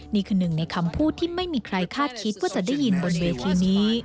นี่คือหนึ่งในคำพูดที่ไม่มีใครคาดคิดว่าจะได้ยินบนเวทีนี้